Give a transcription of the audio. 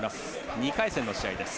２回戦の試合です。